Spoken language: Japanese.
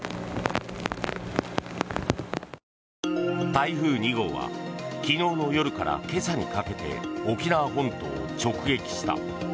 台風２号は昨日の夜から今朝にかけて沖縄本島を直撃した。